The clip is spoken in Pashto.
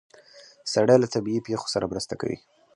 سړک له طبیعي پېښو سره مرسته کوي.